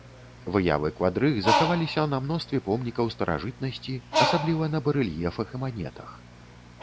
Выявы квадрыг захаваліся на мностве помнікаў старажытнасці, асабліва на барэльефах і манетах.